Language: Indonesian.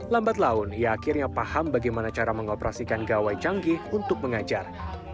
lambat laun ia akhirnya paham bagaimana cara mengoperasikan gawai canggih untuk mengajar